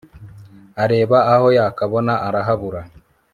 areba aho yakabona, arahabura